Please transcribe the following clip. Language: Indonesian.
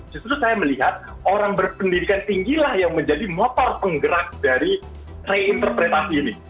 justru saya melihat orang berpendidikan tinggilah yang menjadi motor penggerak dari reinterpretasi ini